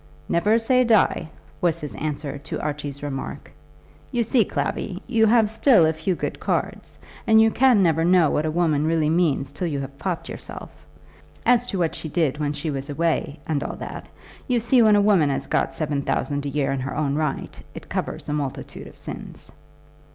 "Never say die," was his answer to Archie's remark. "You see, Clavvy, you have still a few good cards, and you can never know what a woman really means till you have popped yourself. As to what she did when she was away, and all that, you see when a woman has got seven thousand a year in her own right, it covers a multitude of sins."